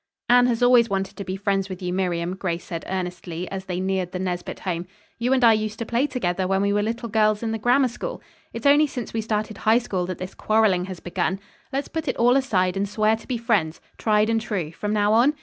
"Anne has always wanted to be friends with you, Miriam," Grace said earnestly as they neared the Nesbit home. "You and I used to play together when we were little girls in the grammar school. It's only since we started High School that this quarreling has begun. Let's put it all aside and swear to be friends, tried and true, from now on?